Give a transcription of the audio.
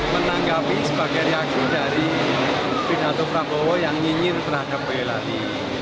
menanggapi sebagai reaksi dari pidato prabowo yang nyinyir terhadap boyolali